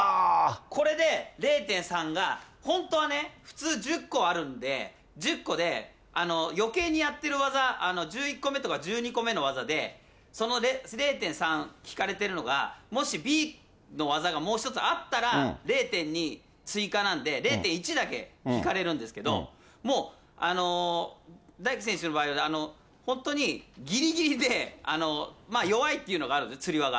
これで０．３が本当はね、普通１０個あるんで、１０個で、よけいにやってる技、１１個目とか１２個目の技で、その０．３引かれてるのが、もしＢの技がもう一つあったら、０．２追加なんで、０．１だけ引かれるんですけど、もう大樹選手の場合は、本当にぎりぎりで、弱いっていうのがあるんです、つり輪が。